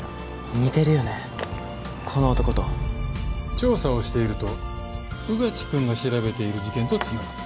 調査をしていると穿地くんが調べている事件と繋がった。